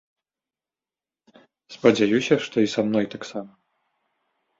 Спадзяюся, што і са мной таксама.